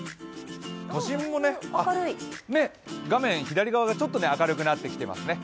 都心も画面左側がちょっと明るくなってきていますね。